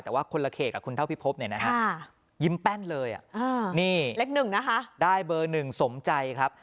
แต่ว่าคนละเขตกับคุณเท่าพิพบเนี่ยนะฮะยิ้มแป้นเลยนี่เลขหนึ่งนะคะได้เบอร์หนึ่งสมใจครับ